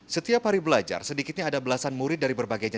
setiap hari belajar sedikitnya ada belasan murid dari berbagai jenis